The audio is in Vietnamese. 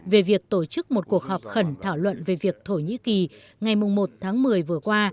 về việc tổ chức một cuộc họp khẩn thảo luận về việc thổ nhĩ kỳ ngày một tháng một mươi vừa qua